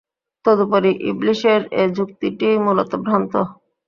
তদুপরি ইবলীসের এ যুক্তিটিই মূলত ভ্রান্ত।